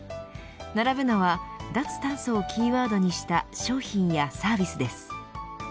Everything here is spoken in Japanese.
並ぶのは脱炭素をキーワードにした商品やサービスです。